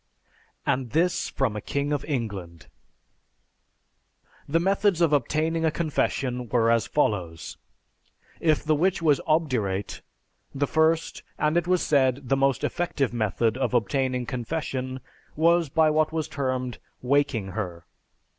And this from a king of England! The methods of obtaining a confession were as follows: If the witch was obdurate, the first, and it was said, the most effective method of obtaining confession was by what was termed "waking her."